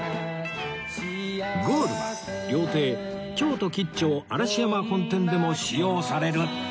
ゴールは料亭京都兆嵐山本店でも使用される